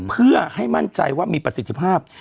เพื่อให้มั่นใจว่ามีประสิทธิภาพ